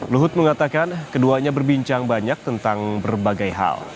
luhut mengatakan keduanya berbincang banyak tentang berbagai hal